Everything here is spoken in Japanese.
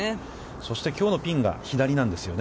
そして、きょうのピンが左なんですよね。